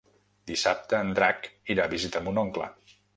Dissabte en Drac irà a visitar mon oncle.